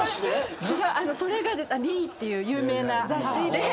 ⁉それがですね『ＬＥＥ』っていう有名な雑誌で。